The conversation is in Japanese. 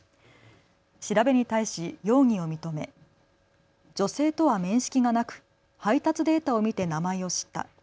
調べに対し容疑を認め女性とは面識がなく配達データを見て名前を知った。